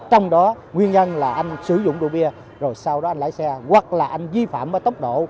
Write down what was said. trong đó nguyên nhân là anh sử dụng đồ bia rồi sau đó anh lái xe hoặc là anh vi phạm tốc độ